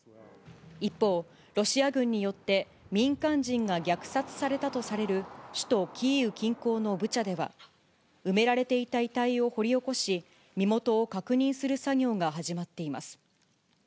一方、ロシア軍によって、民間人が虐殺されたとされる首都キーウ近郊のブチャでは、埋められていた遺体を掘り起こし、身元を確認する作業が始まっています。